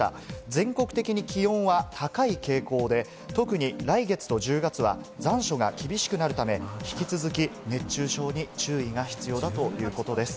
全国的に気温は高い傾向で、特に来月と１０月は残暑が厳しくなるため、引き続き熱中症に注意が必要だということです。